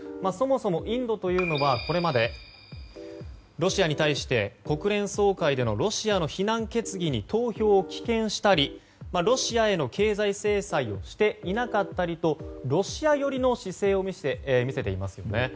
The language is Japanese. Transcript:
そもそも、インドというのはこれまでロシアに対して国連総会でのロシアの非難決議に投票を棄権したりロシアへの経済制裁をしていなかったりとロシア寄りの姿勢を見せています。